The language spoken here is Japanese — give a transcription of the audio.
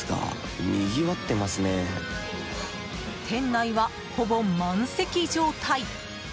店内は、ほぼ満席状態。